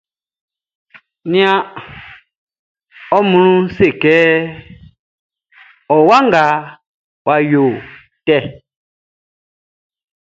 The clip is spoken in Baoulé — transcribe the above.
Nian ɔ mlu selikɛ, o wa nga wa yotɛ.